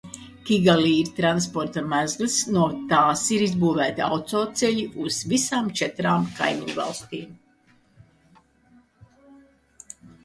Kigali ir transporta mezgls, no tās ir izbūvēti autoceļi uz visām četrām kaimiņvalstīm.